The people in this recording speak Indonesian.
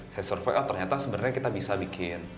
saya survei oh ternyata sebenarnya kita bisa bikin